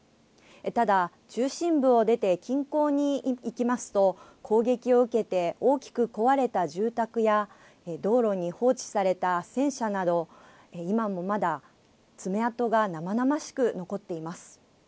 ただ、中心部を出て近郊に行きますと、攻撃を受けて大きく壊れた住宅や道路に放置された戦車など、今もまだ、爪痕が生々しく残っています。